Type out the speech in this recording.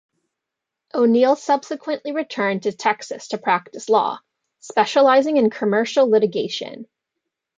O'Neill subsequently returned to Texas to practice law, specializing in commercial litigation.